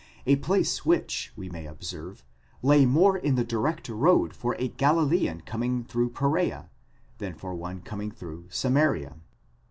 ; place which, we may observe, lay more in the direct road for a Galilean com: ing through Pereea, than for one coming through Samaria.